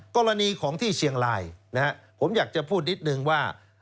กรณีของที่เชียงรายผมอยากจะพูดนิดนึงว่า